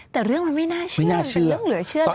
แต่เรื่องมันไม่น่าเชื่อมันเป็นเรื่องเหลือเชื่อนะ